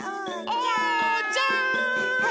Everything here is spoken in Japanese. おうちゃん！